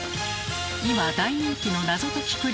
今大人気の謎解き